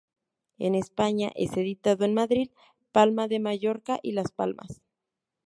En España es editado en Madrid, Palma de Mallorca, y Las Palmas.